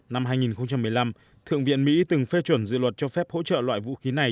năm hai nghìn một mươi năm thượng viện mỹ từng phê chuẩn dự luật cho phép hỗ trợ loại vũ khí này